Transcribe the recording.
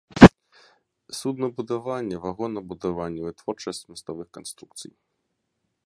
Суднабудаванне, вагонабудаванне, вытворчасць маставых канструкцый.